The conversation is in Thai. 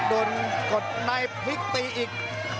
กดในพลิกตีอีก